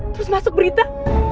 terus masuk berita